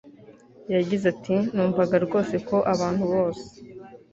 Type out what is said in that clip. yagize ati numvaga rwose ko abantu bose